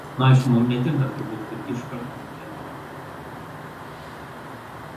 A joined pair of small craters lie across the southern rim and inner wall.